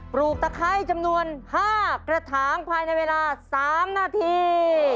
ลูกตะไคร้จำนวน๕กระถางภายในเวลา๓นาที